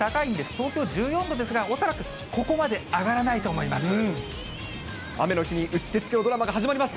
東京１４度ですが、恐らく、ここまで上がらないと思います。